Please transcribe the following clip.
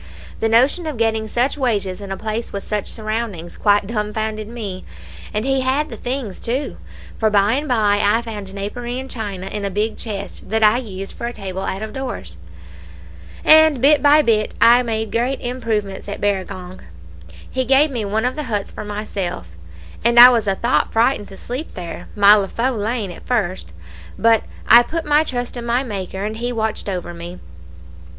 The notion of getting such wages in a place with such surroundings quite dumb founded me; and he had the things too; for by and by I found napery and china in a big chest that I used for a table out of doors; and bit by bit I made great improvements at Barragong. He gave me one of the huts for myself, and I was a thought frightened to sleep there my leafu' lane at first, but I put my trust in my Maker, and He watched over me.